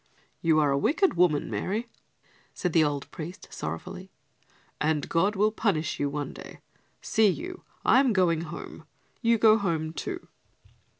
"You are a wicked woman, Mary," said the old priest sorrowfully, "and God will punish you one day. See you I am going home; you go home too."